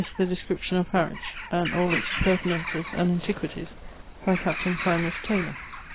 the description of Harwich and all its appurtenances and antiquities by capt. Silas Tayler.